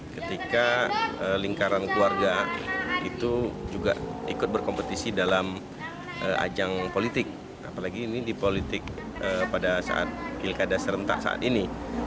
ketika lingkaran keluarga itu juga ikut berkompetisi dalam ajang politik apalagi ini di politik pada saat pilkada serentak saat ini